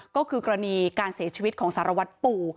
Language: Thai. ก็คือกรณีการเสียชีวิตของสารวัตรปู